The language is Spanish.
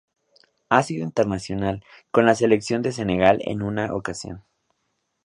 Ha sido internacional con la Selección de Senegal en una ocasión.